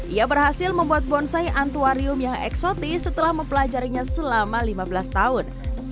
ia berhasil membuat bonsai antuarium yang eksotis setelah mempelajarinya selama lima belas tahun